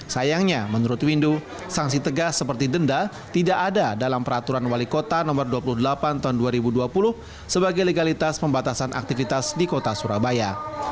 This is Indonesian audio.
sayangnya menurut windu sanksi tegas seperti denda tidak ada dalam peraturan wali kota no dua puluh delapan tahun dua ribu dua puluh sebagai legalitas pembatasan aktivitas di kota surabaya